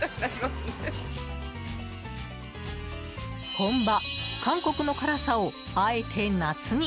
本場・韓国の辛さをあえて夏に？